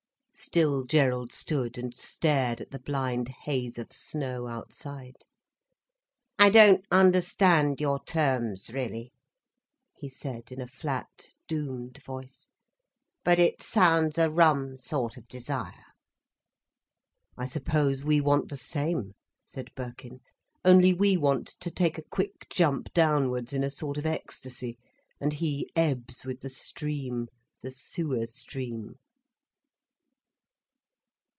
Still Gerald stood and stared at the blind haze of snow outside. "I don't understand your terms, really," he said, in a flat, doomed voice. "But it sounds a rum sort of desire." "I suppose we want the same," said Birkin. "Only we want to take a quick jump downwards, in a sort of ecstasy—and he ebbs with the stream, the sewer stream."